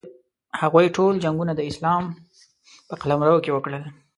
هغوی ټول جنګونه د اسلام په قلمرو کې وکړل.